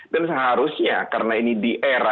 dan seharusnya karena ini di era